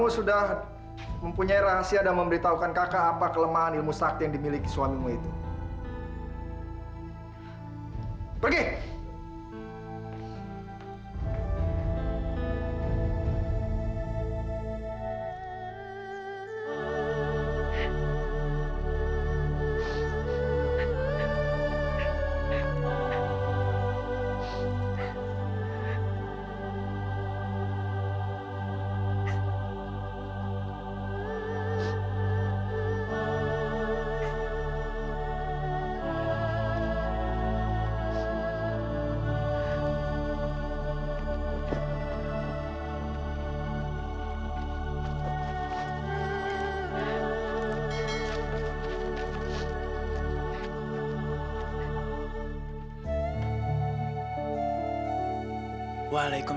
sampai jumpa di video selanjutnya